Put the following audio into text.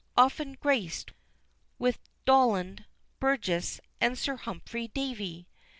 often grac'd With Dollond Burgess and Sir Humphry Davy!